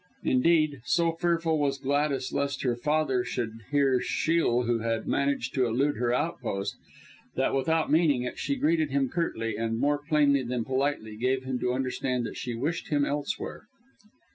Indeed, so fearful was Gladys lest her father should hear Shiel, who had managed to elude her outpost, that without meaning it, she greeted him curtly, and, more plainly than politely, gave him to understand that she wished him elsewhere.